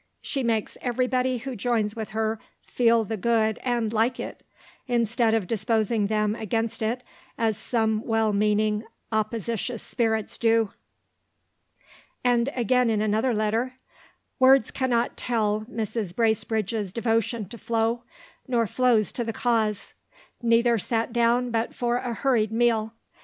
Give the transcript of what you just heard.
She makes everybody who joins with her feel the good and like it (instead of disposing them against it, as some well meaning oppositious spirits do)." And again in another letter: Words cannot tell Mrs. Bracebridge's devotion to Flo, nor Flo's to the cause. Neither sat down but for a hurried meal.